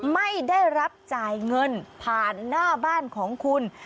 ไม่ได้รับจ่ายเงินผ่านหน้าบ้านของคุณ